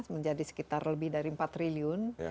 menjadi sekitar lebih dari empat triliun